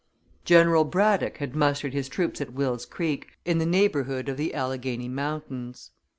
General Braddock had mustered his troops at Wills Creek, in the neighborhood of the Alleghany Mountains.